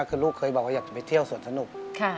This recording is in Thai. คือลูกเคยบอกว่าอยากจะไปเที่ยวสวนสนุก